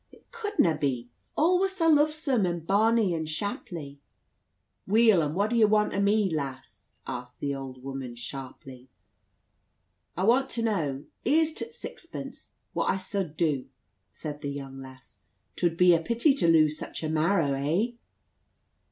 It cudna be; all was sa luvesome, and bonny, and shaply." "Weel, and what do ye want o' me, lass?" asked the old woman sharply. "I want to know here's t' sixpence what I sud du," said the young lass. "'Twud be a pity to lose such a marrow, hey?"